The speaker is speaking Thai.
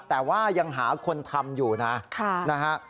แต่ว่ายังหาคนทำอยู่นะนะฮะ